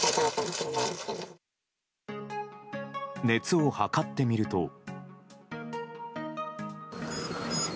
熱を測ってみると。